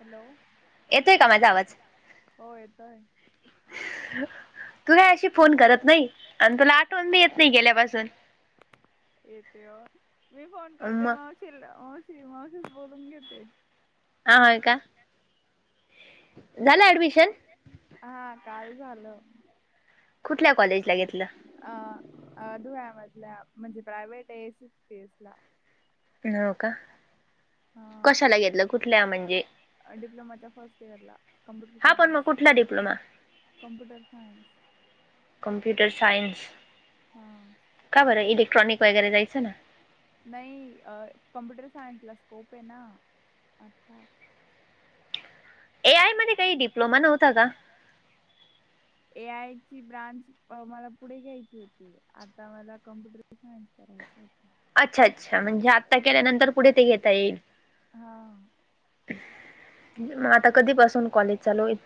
Hello. येतोय का माझा आवाज? हो येतोय. तुला अशी फोन करत नाही आणि तुला आठवण बी येत नाही गेल्यापासून. ये ते व मी फोन करते मग. चील मावशी मावशीच बोलून घेते. हा. होय का? झालं ॲडमिशन? हा. काल झालं. अ धुळ्यामधल्या म्हणजे, प्रायव्हेटये एस पीस ला. होका. कशाला घेतलं? कुठल्या म्हणजे? डिप्लोमाच्या फर्स्ट इयरला computer sinus [unintelligible] computer science computer science. का बर? इलेक्ट्रॉनिक वगैरे जायचं ना. नाही. कमप्युटर सायन्सला स्कोप हेना आता. ए आय मध्ये काही डप्लोमा नव्हता का? ए आय ची ब्रांच अ मला पुढे घ्यायची होती. आता मला कॉम्प्युटर [unintelligible] करायच होतं. अच्छा, अच्छा म्हणजे, आत्ता केल्यानंतर पुढे ते घेता येईल. म आता कधीपसून कॉलेज चालू होईल?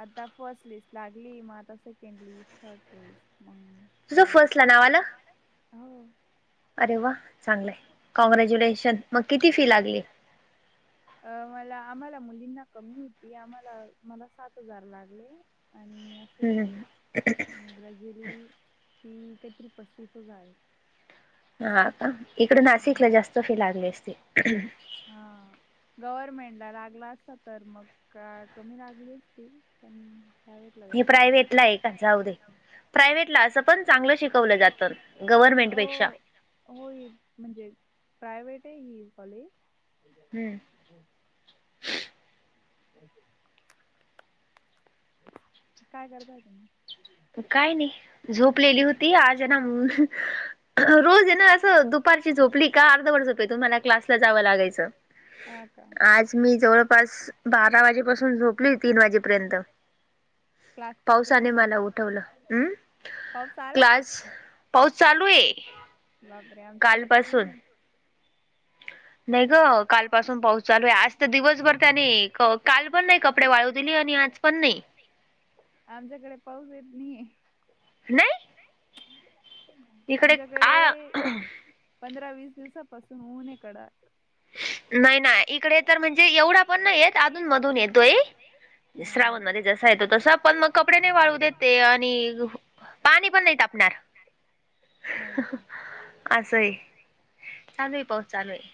आता फर्स्ट लिस्ट लागली, मग आता सेकंड लिस्ट, थर्ड लिस्ट मग म्हणजे, तुझं फस्टला नाव आलं. अरे वा चांगलंय, कॉग्रॅच्युलेशन मग किती फी लागली? अ मला आम्हाला मुलींना कमी होती. आम्हाला मला सात हजार लागली. आणि. हम्म [unintelligible] ग्रॅज्युअली ती काहीतरी पस्तीस हजार. हा का. इकड नाशिकला जास्त फी लागली असती. हा. गव्हर्नमेंटला लागला असा तर मग, का कमी लागली असती पण प्रायव्हेटला जास्त लागली. प्रायवेटला [unintelligible] प्रायव्हेटला असं पण चांगलं शिकवलं जातं, गव्हर्नमेंट पेक्षा होय. म्हणजे प्रायव्हेट हाय ही कॉलेज. हम्म. हो. [inaudible] काय करताय तुम्ही? काय नाही. झोपलेली होती आज ना रोज आहे ना असं, दुपारची झोपली का अर्धवट झोपेतुन मला क्लासला जावं लागायचं. आज मी जवळपास बारा वाजेपासून झोपली तीन वाजेपर्यंत. क्लास किती ते किती? पाऊस आला. [unintelligible] पाऊस चालुये. बापरे आमच्याकडे त [unintelligible] नाही ग, काल पासून पाऊस चालू ये, आज तर दिवसभर त्याने काल पण नाही कपडे वाळू दिली आणि आज - - पण नाही आमच्याकडे पाऊस येत नाहीये नाही. आमच्याकडे पंधरा वीस दिवसापासून उने कडक नाही ना इकडे तर, म्हणजे एवढा पण नाही, येत अधून मधून येतोय. श्रावण मध्ये जसा येतो, तसा पण मग कपडे नाही, वाळू देते आणि. पाणी पण नाही तापणार [inaudible] असं आहे चालू आहे, पाऊस चालू आहे.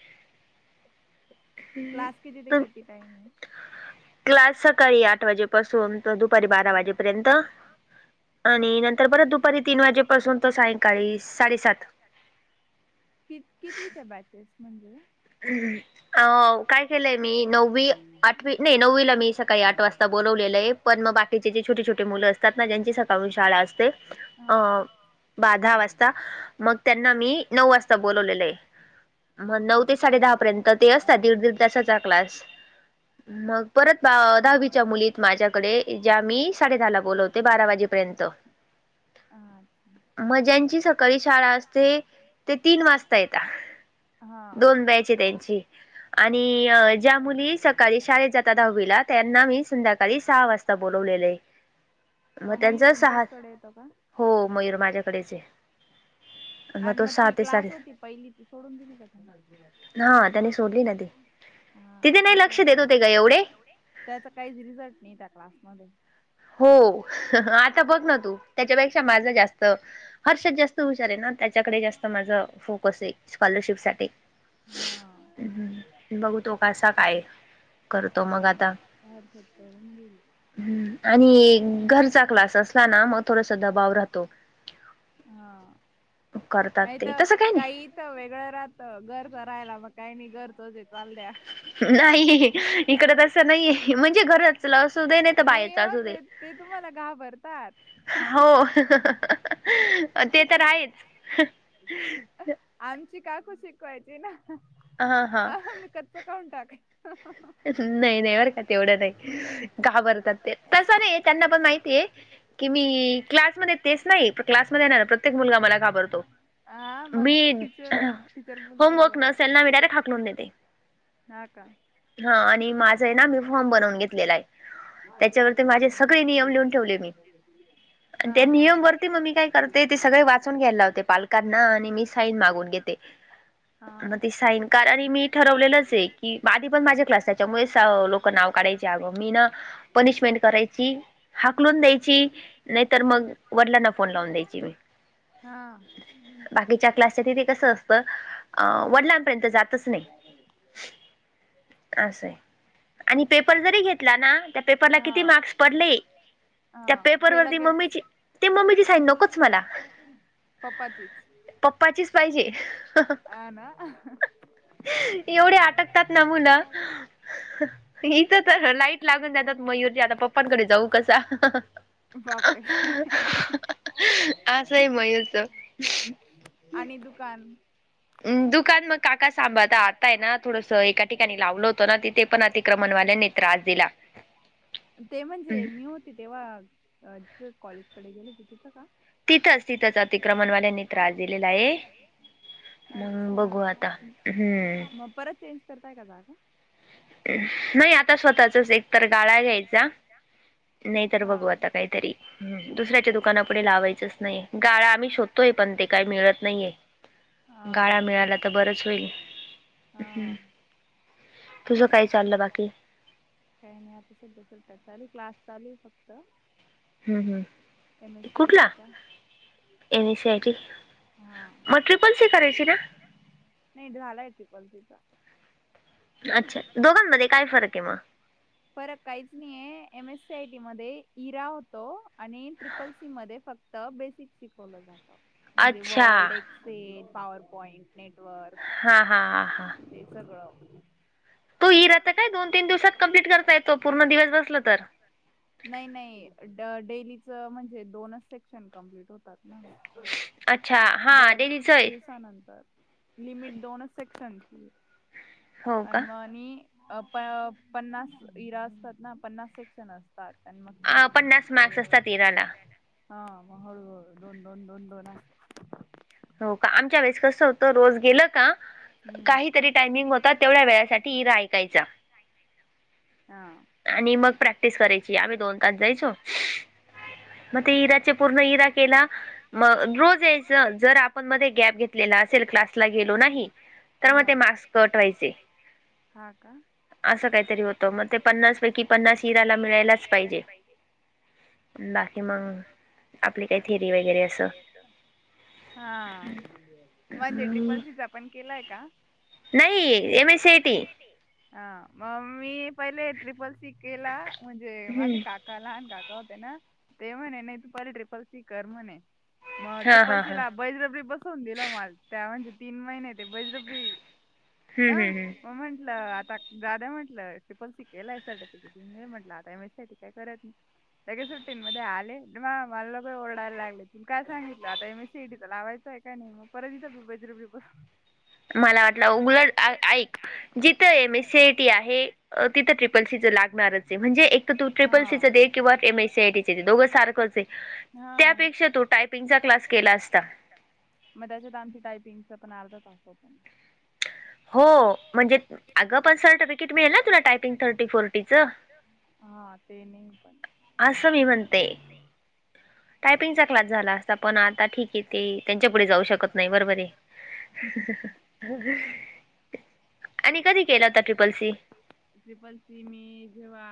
क्लास किती ते किती टाईम आहे? क्लास सकाळी आठ वाजेपासून तर दुपारी बारा वाजेपर्यंत. आणि नंतर बर दुपारी तीन वाजेपासून तो सायकाळी साडेसात. कि कितीच्या बॅचेस म्हणजे. हम्म [unintelligible] हो, काय केलंय मी, नववी आठवी नाही, नववीला मी सकाळी आठ वाजता बोलवलेलं आहे. पण मग बाकीचे जे छोटे छोटे मुलं असतात, ना ज्यांची सकाळहून शाळा असते असते. ब दहा वाजता मग त्यांना, मी नऊ वाजता बलावलेलं आहे, मग नऊ ते. साडे दहा पर्यंत ते असतात, दीड दीड तासाचा क्लास मग. परत दहावीच्या मुलीत माझ्याकडे, ज्या मी साडे दहाला बोलवते बारा वाजेपर्यंत. अ अच्छा म ज्यांची सकाळी शाळा असते, ते तीन वाजता येतात. दोन बॅच आहे त्यांची आणि ज्या मुली सकाळी शाळेत जात दहावीला त्यांना मी संध्याकाळी सहा वाजता बोलवलेले आहे. हो मयूर तुमच्याचकडे येतो का. हो मयूर माझ्याकडेच आहे. आणि मग ती क्लास होती, पहिली ती सोडून दिली का त्यान. हा त्यांनी सोडली ना ती, तिथे नाही लक्ष देत होते काय एवढे? त्याचा काहीच रिझल्ट नाही त्या क्लासमध्ये. हो, आता बघ ना तू, त्याच्यापेक्षा माझं जास्त, हर्षद जास्त हुशार आहे ना त्याच्याकडे जास्त माझं फोकस आहे स्कॉलरशिप साठी. बघतो कसा काय काही नाही हरकत करून गेली. हं, आणि घरचा क्लास असला ना मग थोडसा दबाव राहतो. हा. नाही तर काही इथ वेगळं राहत घर राहायला, मग काही नाही घर हो चाल द्या. नाही, इकड तसं नाहीये, म्हणजे घरच असू दे नाही तर बाहेरच असू दे. ते ते तुम्हाला घाबरतात ते तर आहेच. आमची काकू शिकवायची ना मी कसं करून टाक नाही नाही बर का तेवढं नाही. घाबरतात ते तसं नाही त्यांना, पण माहितीय की मी क्लासमध्ये य तेच नाही. क्लासमध्ये येणारा प्रत्येक मुलगा मला घाबरतो. मी, होमवर्क नसेल ना, मी डायरेक्ट हाकलून देते. हा का. हा आणि माझा आहे, ना मी फॉर्म बनवून घेतलेला आहे. त्याच्यावरती माझे सगळे नियम लिहून ठेवले मी. आणि त्या नियम वरती मग मी काय करते, ते सगळे वाचून घ्यायला लावते, पालकांना आणि मी साईन मागून घेते. मग ते साईन कार, आणि मी ठरवलेलंच आहे, की आधी. क्लासाच्या मुळे लोक नाव काढायचे. अगं मी ना पनिशमेंट करायची. हाकलून द्यायची नाहीतर, मग वडिलांना फोन लावून द्यायची बाई. हा. बाकीच्या क्लासच्या तिथे कस असतं, अ वडिलांपर्यंत जातच नाही. ह [unintelligible] असं आहे, आणि पेपर जरी घेतला ना, त्या पेपरला किती मार्क्स पडले. त्या पेपरवरती मम्मीची ते मम्मीची ते साईन नकोच मला पप्पाचीच पाहिजे. एवढे अटकतात ना मुलं. इथंच तर लाईट लागून जातात, मगजी आता पप्पांकडे जाऊ कसा. बापरे.. आणि दुकान दुकान मग काका सांभाळतात, आता आहे ना थोडसं एका ठिकाणी लावलंत. [unintelligible] ते म्हणजे ती होती तेव्हा, तिथ कॉलेज कडे गेले, हो तिथं का? तिथंच तिथंच अतिक्रमणवाल्यांनी त्रास दिलेला आहे. अच्छा, मग परत चेंज करताय का जागा? नाही आता स्वतःचं एक तर गाळा घ्यायचा. नाही तर बघू आता काहीतरी ह दुसऱ्याच्या दुकाना पुुढे लावायचंच नाहीय गाळा आम्ही शोधतोय पण ते काही मिळत नाहीये. गाळा मिळाला तर बरंच होईल हा. तुझ काही चालू? काही नाही आता सध्या त चा आणि क्लास चालुहे फक्त. हम् हम्. M S C I T चा. M S C I T, मग ट्रिपल सी करायची ना? नाही झालाय ती पण तिचा. अच्छा, दोघांमध्ये काय फरक आहे मग? फरक काहीच नाहीय एम एस सी आयटी मध्ये इरा होतो आणि ट्रिपल सी मध्ये फक्त त बेसिक शिकवलं जातं. म्हणजे Word Excel PowerPoint network. ह हा ते सगळं. तो इरा चा काय दोन तीन दिवसात कम्प्लीट करता येतो पूर्ण दिवस बसला तर नाही नाही ड डेलीचं म्हणजे दोनचं सेक्शन कमप्लीट होतात ना. दर दिवसानंतर लिमिट दोनच सेक्शनची. आणि मग आणि प पन्नास इरा असतात ना पन्नास सेक्शन असतात. [unintelligible] मग ते हा मग हळू हळू दोन दोन दोन दोन आ हो का आमच्या वेळेस कसं होतं रोज गेलं का. काहीतरी टायमिंग आता तेवढ्या वेळासाठी इरा ऐकायचा आणि मग प्रॅक्टिस करायची, आम्ही दोन तास जायचो. मग ते इराच्या पूर्ण इरा केला म रोज यायच जर आपण मध्ये गॅप घेतलेला असेल क्लासला गेलो नाही तर मग ते मार्क्स कट व्हायचे. हा का? असं काहीतरी होतं मग ते पन्नासं पैकी पन्नासं इराला मिळायलाचं पाहिजे. बाकी मग आपली काही थेंरी वगैरे असं हा, म्हणजे ट्रिपलसीचा पण केलाय का? नाही, M A C I T! हा, मग मी पहिले ट्रिपल सी केला, म्हणजे माझे काका काल लहान काका होते. ना ते म्हणे नाही तू पहिली ट्रिपल सी कर म्हणे. मग ट्रिपल सी ला बळजबरी बसवून दिलं मला त्या म्हणजे तीन महिने ते बळजबरी. हा. म म्हंटलं आता- दादा म्हटलं, ट्रिपल शिकेल आहे सर्टिफिकेट म्हटलं आता M S C I T काय करत नाही. सगळे सुट्टीन मध्ये आले. [unintelligible] ओरडायला लागले. तुन काय सांगितलं? आता M S C E T चा लावायचाय का नाही मग? करंट [unintelligible] मला वाटलं [unintelligible] ऐक. जिथं M S C E T आहे- तिथं ट्रीपल सीच लागणारच आहे. म्हणजे एकतर तू ट्रिपल सी च दे किंवा M S C I T च दे. दोन्ही सारखेच - [unintelligible] त्यापेक्षा तू टायपिंगचा क्लास केला असता- मग त्याच्यात आणखी टायपिंगचापण अर्धा तास होतो ना. हो. म्हणजे, अगं पण सर्टिफिकेट मिळेल ना तुला? टायपिंग थर्टी फोर्टीचं. हा. ते नाही पण. असं मी म्हणते. टायपिंगचा क्लास झाला असता. पण आता ठीक आहे. ते त्यांच्या पुुढे जाऊ शकत नाही बरोबर आहे. [unintelligible] आणि कधी केलं ग ट्रीपल सी? ट्रिपल सी मी जेव्हा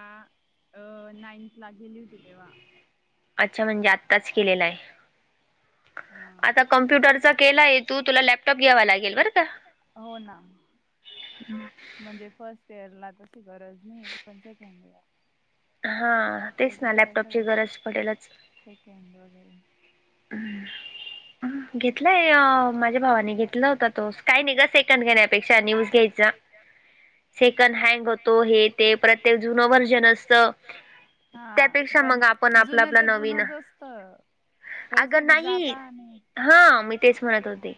अ नाईनथ ला गेली होती तेव्हा. अच्छा. म्हणजे आत्ताच केलेल आहे. आता कम्प्युटरचा केलाय तू. तुला लॅपटॉप घ्यावा लागेल बरं का? हो. ना. म्हणजे फर्स्ट इयर ला तशी गरज नाही. पण सेकंड इयरला. हा. तेच ना लॅपटॉपची गरज पडेलच. सेकेंड वगैरे. हमं. घेतलाय माझ्या भावाने घेतला होता तो. काही नाही ग सेकंड घेण्यापेक्षा न्यूच घ्यायचा. सेकंड हँग होतो हे ते. परत ते जुन व्हर्जन असतं. हा. पण जुन ते जुनंचं असत. त. पैसे बी जाता आणि- हा. मी तेच म्हणत होते.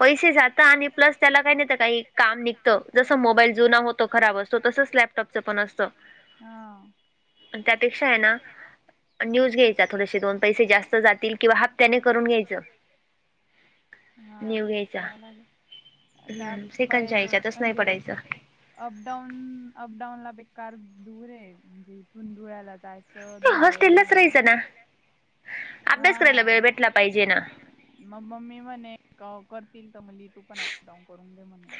पैसे जाता आणि प्लस त्याला काही नाही काही काम निघतं. जसं मोबाईल जुना होतो खराब असतो. तसं स्लॅब - टॉपच पण असत. त्यापेक्षा आहे ना? न्यूच घ्यायचा. थोडेसे दोन पैसे जास्त जातील. किंवा हप्त्याने करून घ्यायचं. हा. तेच करावं लागेल. आता प [unintelligible] दो म्हणजे- अपडाऊन, अपडाऊन ला बेकार दूर आहे. म्हणजे इथून धुळ्याला जायच. हो. धुळ्यावरून आहे ना? हा ना. मम्मीला वेळ भेटला पाहिजे ना. मग मम्मी म्हणे का करतील का मुली- तू पण अपडाऊन करून दे म्हणे.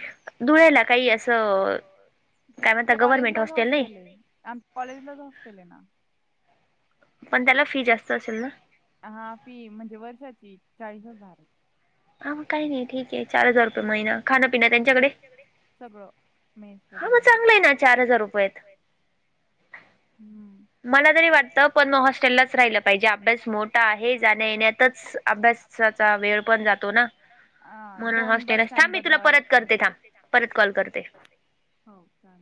धुळ्याला काही अस- कॉलेजलाच हॉस्टेल आहे. आमच्या कॉलेजलाच हॉस्टेल आहे ना. पण त्याला फी जास्त असेल ना? हा. फी म्हणजे वर्षाची चाळीस हजार आहे. हा. म काही नाही. ठीक आहे चार हजार रुपये महिना. खाणपिण त्यांच्याकडे? सगळं मेस वगैरे. चांगलं आहे ना, चार हजार रुपयात. हम्म. मला तरी वाटतं, पण म हॉस्टेललाच राहिलं पाहिजे. अभ्यास मोठा आहे जाण्या येण्यातच अभ्यास- साचा वेळ पण जातो ना? म्हणून हॉस्टेलच. थांब मी तुला परत करते थांब. परत कॉल करते. हो का?